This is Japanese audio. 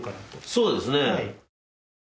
そうですね！